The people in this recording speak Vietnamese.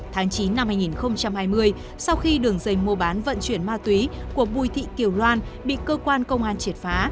tháng chín năm hai nghìn hai mươi sau khi đường dây mua bán vận chuyển ma túy của bùi thị kiều loan bị cơ quan công an triệt phá